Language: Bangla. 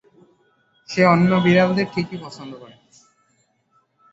সে অন্য বিড়ালদের ঠিকই পছন্দ করে।